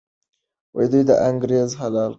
دوی انګریز حلال کړ.